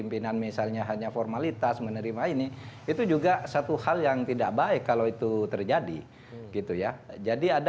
sekretarisnya lebih tinggi atau tidak